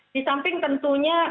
di samping tentunya